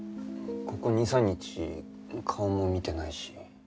ここ２３日顔も見てないし。